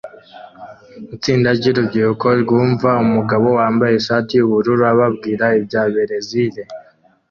Itsinda ryurubyiruko rwumva umugabo wambaye ishati yubururu ababwira ibya Berezile